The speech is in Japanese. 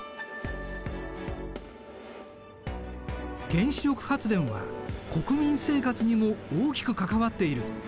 原子力発電は国民生活にも大きく関わっている。